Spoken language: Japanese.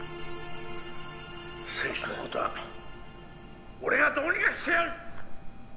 政治のことは俺がどうにかしてやる！